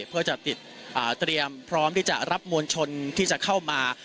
เพื่อจะติดเตรียมพร้อมที่จะรับมวลชนที่จะเข้ามา